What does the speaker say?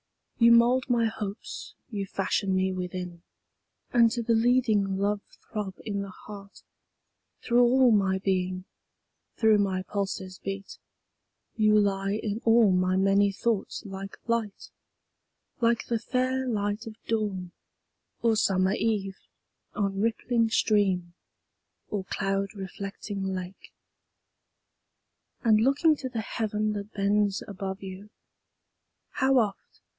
commune } 1807. Now first published from an MS. 26 You mould my Hopes you fashion me within: And to the leading love throb in the heart, Through all my being, through my pulses beat; You lie in all my many thoughts like Light, Like the fair light of Dawn, or summer Eve, On rippling stream, or cloud reflecting lake; And looking to the Heaven that bends above you, How oft!